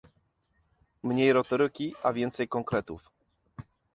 mniej retoryki, a więcej konkretów!